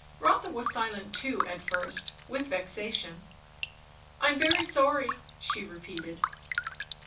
Rotha was silent too at first, with vexation. "I am very sorry " she repeated.